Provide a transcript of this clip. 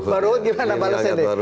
pak ruhut gimana balesnya